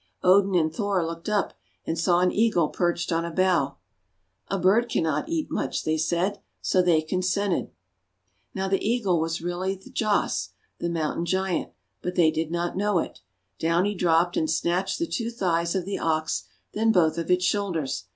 Odin and Thor looked up, and saw an Eagle perched on a bough. "A bird cannot eat much," they said, so they consented. Now the Eagle was really Thjasse the Moun tain Giant, but they did not know it. Down he dropped, and snatched the two thighs of the Ox, then both of its shoulders.